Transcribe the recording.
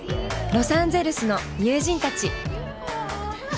ロサンゼルスの友人たち。